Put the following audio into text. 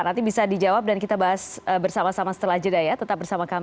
nanti bisa dijawab dan kita bahas bersama sama setelah jeda ya tetap bersama kami